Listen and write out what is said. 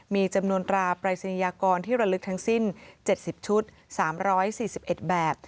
มีจำนวนตราปรายศนียากรที่ระลึกทั้งสิ้น๗๐ชุด๓๔๑แบบ